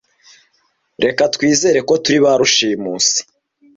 Reka twizere ko turi ba rushimusi.